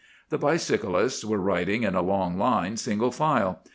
The bicyclists were riding in a long line, single file.